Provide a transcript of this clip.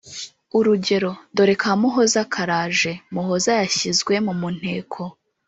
Urugero: Dore ka Muhoza karaje! Muhoza yashyizwe mu mu nteko